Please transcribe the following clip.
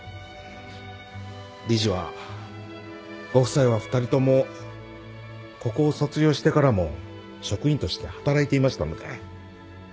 理事はご夫妻は２人ともここを卒業してからも職員として働いていましたので。